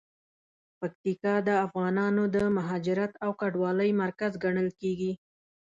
پکتیکا د افغانانو د مهاجرت او کډوالۍ مرکز ګڼل کیږي.